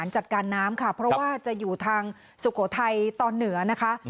จัดการน้ำค่ะเพราะว่าจะอยู่ทางสุโขทัยตอนเหนือนะคะ